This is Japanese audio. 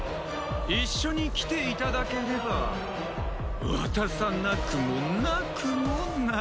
一緒に来ていただければ渡さなくもなくもなくも。